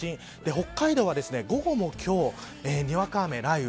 北海道は午後も今日にわか雨、雷雨。